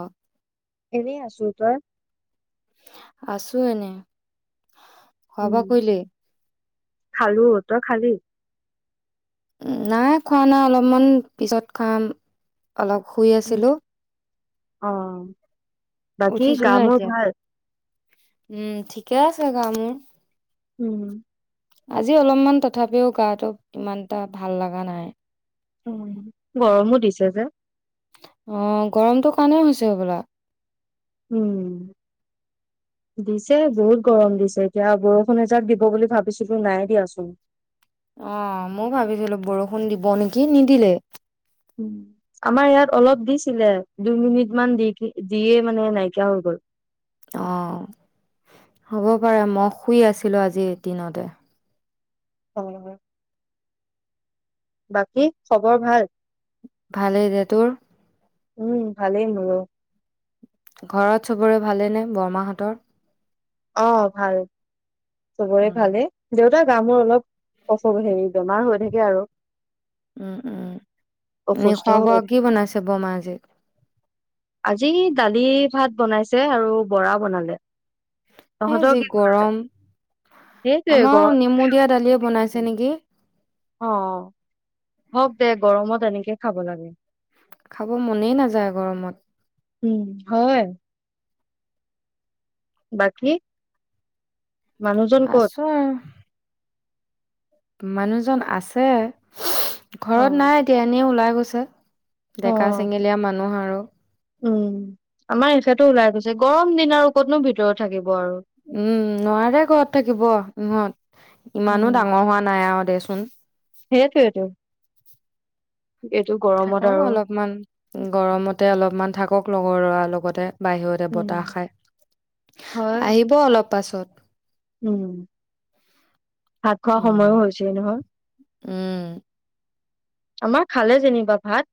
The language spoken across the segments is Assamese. অ' এনেই আছো তই আছোঁ এনে খোৱা উম বোৱা কইলি খালো ত খালি, উম, নাই খোৱা নাই অলপমান পিছত খাম অলপ শুই উম আছিলো অ' বাকী উঠিছোহে গামোৰ এতিয়া ভাল উম ঠিকে আছে গামোৰ উম! আজি অলপমান তথাপিও গাটো ইমান এটা ভাল লগা নাই উ গৰমো দিছে যে ও গৰমটো কনে হৈছে হবলা উম দিছে বহুত গৰম দিছে এতিয়া বৰষুণ এজাক দিব বুলি ভাবিছিলোো নাই দিয়াচোন। অ মই ভাবিছিলো বৰষুণ দিব নেকি নিদিলে আমাৰ ইয়াত অলপ দিছিলে দুই মিনিট মান দি দিয়ে মানে নাইকিয়া হৈ গল অ' হ'ব পাৰে মই শুই আছিলো আজি দিনতে হয় হয় বাকী খবৰ ভাল। ভালেই দে তোৰ। উম, ভালেই মোৰো। ঘৰত সবৰে ভালেনে, বৰমাহঁতৰ। অ', ভাল। চবৰে উম ভালে, দেউ এ গা মূৰ অলপ [unintelligible] হেৰি বেমাৰ হৈ থাকে আৰু। উম, উম, নি অসুস্থ খোৱা হৈ বোৱা কি বনাইছ বমা যে। আজি দালি ভাত বনাইছে আৰু বৰা বনালে। এ তহঁতৰ যি কি? গৰম, সেইটোৱে গৰম আমাৰো নেমু দিয়া দালিয়ে বনাইছে নেকি। অ', হওক দে গৰমত এনেকে খাব লাগে। খাব মনেই নাযায় গৰমত। উম, হয়। বাকী। মানুহজন ক'ত আছো আৰু। মানুহজন আছে [inaudible] অ ঘৰত নাই এতিয়া এনেই ওলাই [inaudible] অ, ডেকা চেঙেলীয়া মানুহ আৰু উম, আমাৰ হিচা টো ওলাই গৈছে গৰম দিন আৰু ক'ত নো ভিতৰত থাকিম। উম, নোৱাৰে ঘৰত থাকিব সহঁত ইমানো ডাঙৰ হোৱা নাই আৰু দেচো [unintelligible] সেই তোৱেইটো। থাকক অলপমান, গৰমতে অলপমান থাকক লগৰ লৰা লগতে। বাহিৰতে উম বতাহ খাই, হয় আহিব অলপ পাছত। উম, ভাত খোৱা উম সময়ো হৈছেই নহয়। উম। আমাৰ খালে যেনিবা ভাত।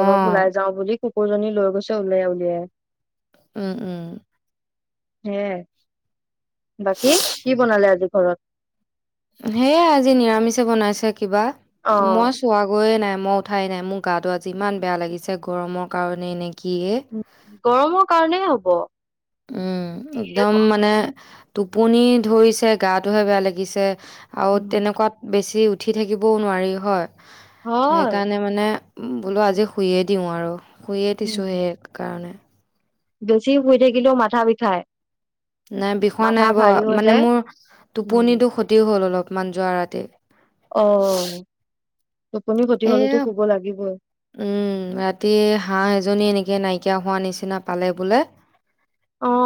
অ অলপ ওলাই যাও বুলি। কুকুৰজনী লৈ গৈছে উওলিয়াই, উলিয়াই। উম, উম। হে, বাকী কি বনালে আজি ঘৰত। সেয়াই আজি নিৰামিষে বনাইছে। কিবা, মই অ' চোৱা গৈয়ে নাই। মই উঠাই নাই মোৰ গাটো আজি ইমান বেয়া লাগিছে গৰমৰ কাৰণেই নে কিয়ে। গৰমৰ কাৰণে হ'ব। উম একদম মানে টোপনি ধৰিছে, গাটোহে বেয়া লাগিছে আও উম, তেনেকুৱাত বেছ ছি উঠি থাকিবও নোৱাৰি হয়। হয়। সেইকাৰণে মানে বোলো আজি শুইয়ে দিওঁ আৰু শুয়ে উম, দিছোঁ সেইকাৰণে বেছি শুই থাকিলেও মাথা বিষাই। নাই বিষোৱা নাই ব মানে মোৰ উম, টোপনিটো ক্ষতি হ'ল অলপ। মান যোৱা ৰাতি অ টোপনি ক্ষতি এ হ'লেটো শুব লাগিবই। উম ৰাতি হাঁহ এজনী এনেকে নাইকিয়া হোৱা নিচিনা পালে বোলে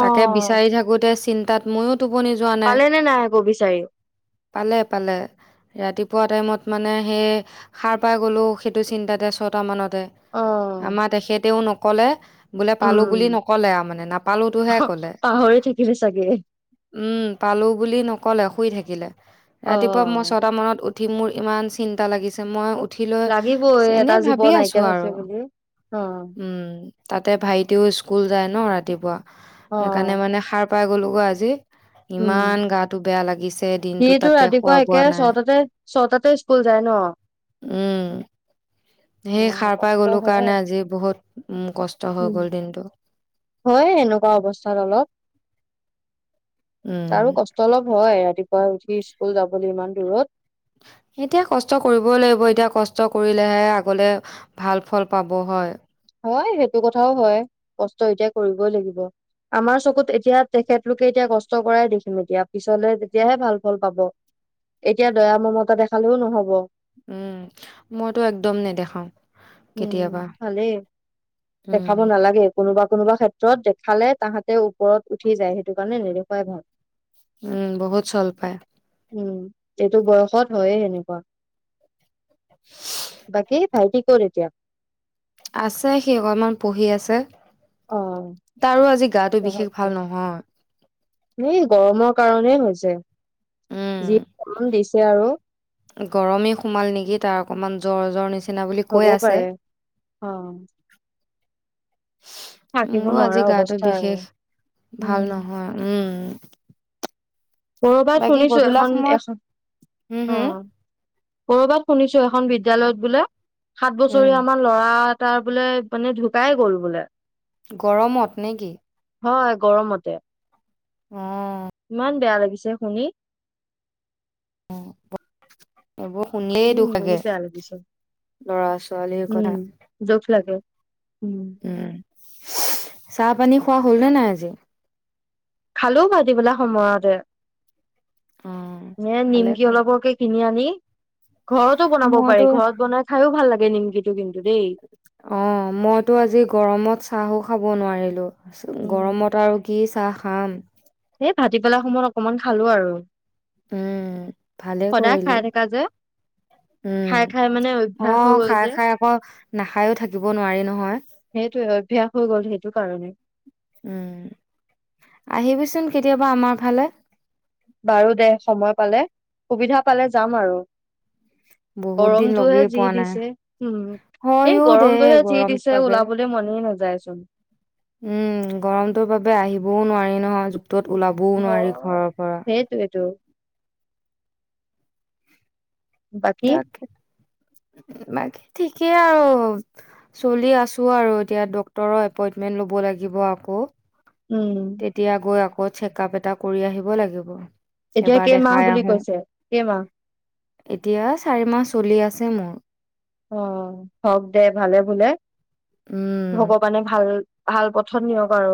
তাকে বিচাৰি থাকোতে চিন্তাত ময়ো টোপনি যোৱা নাই। পালে নে আকৌ বিচাৰি? পালে-পালে ৰাতি পোৱা টাইমত মানে সেই সাৰ পাই গলোঁ, সেইটো চিন্তাতে চট তামানত অ' আমাৰ তেখেতেও নকলে, বোলে পালো বুলি উম, নকলে আৰু মানে নাপালোতোহে কলে। পাহৰি থাকিলে চাগে। উম পালো বুলি নকলে শুই থাক গিলা ৰাতিপুৱা মই অ' ছটা মানত উ ঠি মোৰ ইমান চিন্তা লাগিছে, মই উ উঠি লৈ এনে ভাব অ নাইকিয়া হৈছে বুলি অ উম তাতে ভাইটিও স্কুল যায় ন ৰাতিপুৱা। সেইকাৰণে অ' মানে সাৰ পাই গলোগৈ আজি উম, ইমান গাটো বেয়া লাগিছে, দিনতটো সিটো তাতে ৰাতিপুৱা খোৱা একে বোৱা নাই। ছটাতে ছটাতে স্কুল যায় ন? উম সেই অ', সাৰ পাই কষ্ট গ'লো কাৰণে হয়, আজি বহুত উম কষ্ট হৈ উম, গ'ল দিনটো। হয় এনেকুৱা অৱস্থাত অলপ। উম, তাৰো কষ্ট অলপ হয় ৰাতিপুৱা পুৱাই উঠি স্কুল যাবলৈ ইমান দূৰত, এতিয়া কষ্ট কৰিবই লাগিব, এতিয়া কষ্ট কৰিলেহে আগলে ভাল ফল পাব হয়। হয় সেইটো কথাও হয়, কষ্ট এতিয়া কৰিবই লাগিব। আমাৰ চকুত এতিয়া তেখেতলোকে এতিয়া কষ্ট কৰাই দেখিম এতিয়া, পিছলে তেতিয়াহে ভাল ফল পাব, এতিয়া দয়া মমতা দেখালেও নহব। উম মইতো একদম নেদেখাও উম, কেতিয়াবা ভালেই। উম, দেখাব নালাগে। কোনোবা কোনোবা ক্ষেত্ৰত দেখালে তাহাঁতে ওপৰত উঠি যায় সেইটো কাৰণে নেদেখুৱাই ভাল। উম বহুত চল পায়। উম এইটো বয়সত হয়ে এনেকুৱা। বকীত ভাইটি ক'ত এতিয়া? আছে সি অকণমান পঢ়ি আছে। অ', তাৰো আজি গাটো বিশেষ ভাল নহয়, এই গৰমৰ কাৰণে হৈছে। উম। য দেশ [unintelligible] এ আৰু গৰমেই সোমাল নেকি তাৰ অকনমান জ্বৰ জ্বৰ নিচিনা বুলি কৈ হব আছে। পাৰে অ থাকিব মোৰো নোৱাৰা আজি গাটো অৱস্থা আৰু বিশেষ ভাল উম নহয় উম কৰবাত বাকী শুনিছো গধূলা এখন সময়ত এখন হম অ' হম কৰ'বাত শুনিছো এখন বিদ্যয়ালয়ত বোলে সাত উম বছৰি আমাৰ লৰা, তাৰ বোলে মানে ঢুকাই গ'ল বোলে গৰমত নে [unintelligible] হয় গৰমতে অ ইমান বেয়া লাগিছে শুনি অ এইবোৰ শুনিলেই উম দুখ লাগে বহুত বেয়া লাগিছে লৰা ছোৱালীৰ উম কথা দুখ লাগে উম! চাহ পানী খোৱা হ'ল নে নাই আজি, খালো পতিবেলা সময়তে অ', এ ভালে নিমকি কৰিলি। অলপকে কিনি আনি ঘৰতো বনাব মইতো পাৰি ঘৰত বনাই খাইও ভাল লাগে নিকিটো কিন্তু দেই অ' মইতো আজি গৰমত চাহো খাব কব নোৱাৰিলোঁ। তাৰপ উম, গৰমত আৰু কি চাহ থাম [unintelligible] এ ভাটি পেলা সময়ত অকমান খালো আৰু উম ভালেই সদায় কৰিলি খাই থকা যে খাই খাই মানে উম অ অভ্যাস হৈ গ'ল খাই যে খাই আকৌ নাখায়ো থাকিব নোৱাৰি নহয়। সেইটোয়ে অভ্যাস হৈ গ'ল সেইটো কাৰণে উম আহিবিচোন কেতিয়াবা আমাৰ ফালে, বাৰু দে সময় পালে সুবিধা পালে যাম আৰু বহুত দিন গৰমটোহে লগেই যি পোৱা নাই দিছে হম এই হয়ও দে গৰমটোহে যি গৰমটোৰ দিছে বাবে ওলাবলে মনেই নাযায়। যাইচোন উম গৰমটোৰ বাবে আহিবও নোৱাৰি নহয় তত ওলাবও নোৱাৰি হয়। ঘৰৰ পৰা, সেইটোৱেটো বাকী [unintelligible] ঠিকেই আৰু চলি আছো আৰু এতিয়া ডক্টৰৰ এপইন্টমেন্ট লব লাগিব আকৌ উম, তেতিয়া গৈ আকৌ, আকৌ চেক আপ এটা কৰি আহিব লাগিব এতিয়া এবাৰ কেইমাহ দেখাই বুলি আহো, কৈছে কেইমাহ এতিয়া চাৰি মাহ চলি আছে। যে মোৰ, অ' হওক দে ভালে বোলে উম ভগৱানে ভাল ভাল পথত নিয়ক আৰু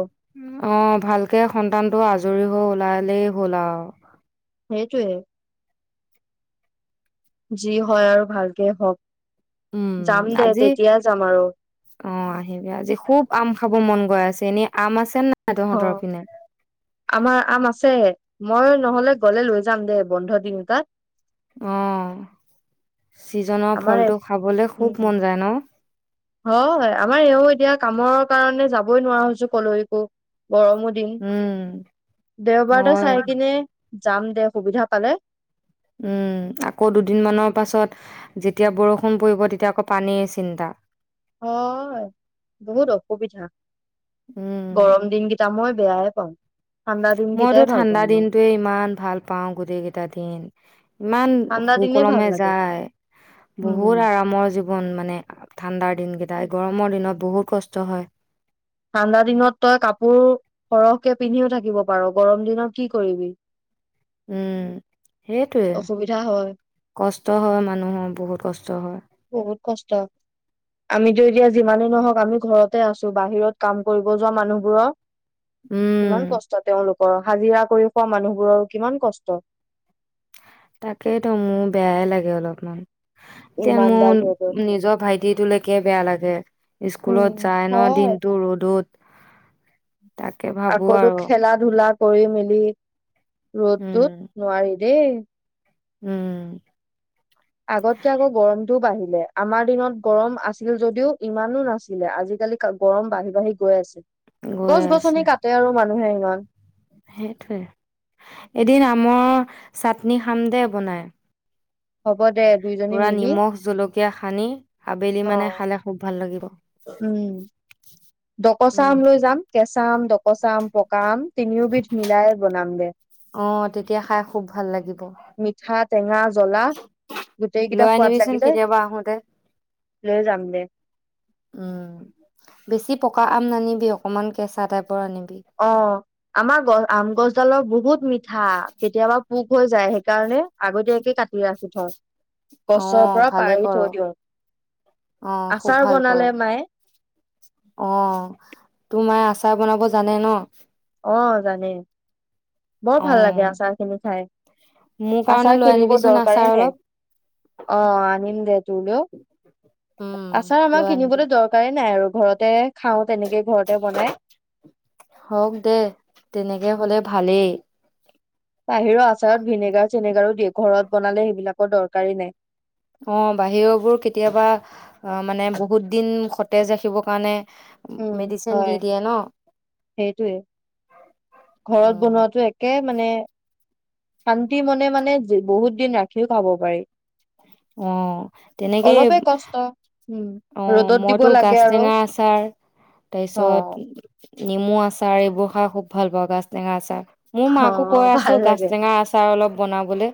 অ' ভালকে সন্তানটো আজৰি হৈ ওলাইলেই ভলা, সেইটোৱে, যি হয় আৰু ভালকে হওক, উম, যাম দে আজি তেতিয়া যাম আৰু অ' আহিবি আজি খুব আম খাব মন গৈ আছে এনেই আম আছে না অ', আমাৰ আম আছে মই নহলে গ'লে লৈ যাম দে বন্ধ দিন এটাত অ', চিজনৰ আমাৰ ফলটো খাবলে খুব উম মন যায় ন'। হয়, আমাৰ এওঁ এতিয়া কামৰ কাৰণে যাবই নোৱাৰা হৈছো কলৈকো। গৰমো দিন উম, দেওবাৰ এটা হয়। চাই কিনে যাম দে সুবিধা পালে। উম, আকৌ দুদিনমানৰ পাছত যেতিয়া বৰষুণ পৰিব তেতিয়া আকৌ পানীৰ চিন্তা। হয়, বহুত অসুবিধা। উম, গৰম দিনকেইটা মই বেয়াই পাওঁ। ঠাণ্ডা দিন মইতো কেইটাই ভাল ঠাণ্ডা পাওঁ মই দিনটোৱে ইমান ভাল পাওঁ গোটেই কেইটা দিন, ইমান ঠাণ্ডা দিনেই ভাল সুকলমে লাগে যায়, উম বহুত আৰামৰ জীৱন মানে ঠাণ্ডাৰ দিনকেইটাই, গৰমৰ দিনত বহুত কষ্ট হয়। ঠাণ্ডা দিনত তই কাপোৰ, সৰহকে পিন্ধিও থাকিব পাৰ গৰম দিনত কি কৰিবি? উম, সেইটোৱে, অসুবিধা হয় কষ্ট হয় মানুহৰ বহুত কষ্ট হয়। বহুত কষ্ট আমিতো এতিয়া যিমানেই নহওঁক আমি ঘৰতে আছো বাহিৰত কাম কৰিব যোৱা মানুহবোৰৰ। উম কিমান কষ্ট তেওঁলোক অ', হাজিৰা কৰি খোৱা মানুহবোৰৰ কিমান কষ্ট। তাকেই তো মোৰ বেয়াই লাগে অলপমান। এতিয়া ইমানডাল মোৰ ৰ'দত নিজৰ ভাইটিটোলৈকে বেয়া লাগে উম স্কুলত যায় ন হয় দিনটো ৰ'দত। তাকে ভাবো আকৌতো আৰু খেলা ধূলাত কৰি মেলি। উম ৰ'দতোত নোৱাৰি। দেই। উম। আগতকে আকৌ গৰমতটোও বাঢ়িলে, আমাৰ দিনত গৰম আছিল যদিও ইমানো নাছিলে। আজিকালি গৰম বাঢ়ি বাঢ়ি গৈ আছে। গৈ গছ আছে গছনি কাটে আৰু মানুহে ইমান। সেইটোৱে, এদিন আমৰ চাটনি খাম দেই বনাই। হ'ব দে দুইজনী পুৰা মিলি নিমখ, জলকীয়া সানি আবেলি অ মানে খালে খুব ভাল লাগিব। উম। ডকচা উম আম লৈ যাম। কেঁচা আম, ডকচা আম, পকা আম। তিনিওবিধ মিলাই বনামগে। অ তেতিয়া খাই খুব ভাল লাগিব মিঠাত টেঙা জলা, গোটেই কেইটা লৈ সোৱাদ আনিবিচোন লাগিলে, কেতিয়াবা আহোতে লৈ যাম দে। উম বেছি পকা আম নানিবি, অকমান কেঁচা টাইপ অ', আমাৰ গছ, আম গছডালৰ বহুত মিঠা কেতিয়াবা পোক হৈ যায়, সেইকাৰণে আগতীয়াকে কাটি ৰাখি থওঁ। অ গছৰ পৰা ভালে পাৰি কৰ থৈ দিওঁ, অ খুব আচাৰ ভাল কৰ বনালে মায়ে। অ', তোৰ মায়ে আচাৰ বনাব জানে ন'? অ', জানে। বৰ অ ভাল লাগে আচাৰ খিনি খাই। মোৰ কাৰণে আচাৰ লৈ কিনিব আনিবিচোন আচাৰ দৰকাৰেই নাই। অলপ অ', আনিম দে তোৰলৈও, উম আচাৰ লৈ আমাৰ আনিবি কিনিবলৈ দৰকাৰেই নাই আৰু। ঘৰতে খাওঁ, তেনেকে ঘৰতে বনাই। হওক দে, তেনেকে উম হ'লে ভালেই। বাহিৰৰ আচাৰত ভিনেগাৰ চিনেগাৰো দিয়ে, ঘৰত বনালে সেইবিলাকৰ দৰকাৰেই নাই। অ, বাহিৰৰ বোৰ কেতিয়াবা এ মানে বহুত দিন সতেজ ৰাখিবৰ কাৰণে উম মেডিচিন দি হয় দিয়ে ন সেইটোৱে, ঘৰত উম বনোৱাটো একে মানে শান্তি মনে মানে, বহুত দিন ৰাখিও খাব পাৰি। অ তেনেকেই এব অলপে কষ্ট। উম, অ ৰ'দত দিব মইতো লাগে আৰু গাজটেঙা আচাৰ, অ। তাইছত নেমু আচাৰ এইবোৰ খাই খুব ভাল পাওঁ গাজটেঙা আচাৰ। মোৰ মাকো কৈ অ' আছো ভাল গাজ লাগে। টেঙাৰ আচাৰ অলপ বনাবলে।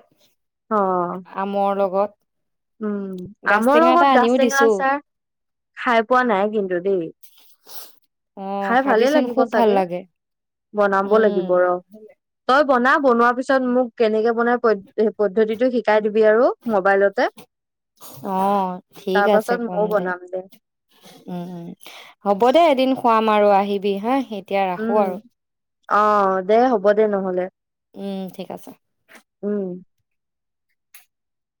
অ' আমৰ লগত। উম, গাজ আমৰ টেঙা এটা লগত আনিও গাজটেঙা দিছো আচা খাই পোৱা নাই কিন্তু দেই। অ খাই ভালেই খাবিচোন লাগিব খুব ভাল চাগে, লাগে বনাব উম লাগিব ৰ। তই বনা বনোৱাৰ পিছত মোক কেনেকে বনাই পদ্ধ-পদ্ধতিটো শিকাই দিব অ, ঠিক তাৰ আছে পাছত কম ময়ও দে। বনাম উম উম হ'ব দে এদিন খোৱাম আৰু আহিবি হা সে এতিয়া ৰাখোঁ উম আৰু। অ দে হ'ব দে নহ'লে। উম, ঠিক আছে। উম